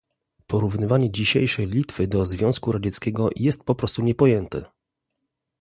Porównywanie dzisiejszej Litwy do Związku Radzieckiego jest po prostu niepojęte